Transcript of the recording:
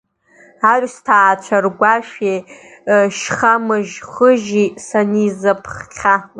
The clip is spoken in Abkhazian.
Аҩсҭаацәа ргәашәи шьхамышьхыжьи санизаԥхьа…